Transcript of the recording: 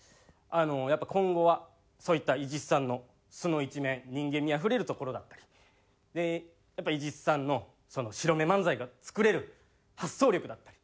やっぱ今後はそういった伊地知さんの素の一面人間味あふれるところだったりやっぱ伊地知さんのその白目漫才が作れる発想力だったり。